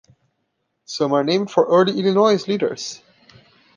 Some are named for early Illinois leaders.